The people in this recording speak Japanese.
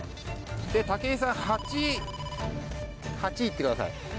で武井さん８８行ってください。